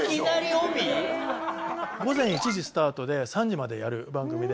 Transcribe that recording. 午前１時スタートで３時までやる番組で。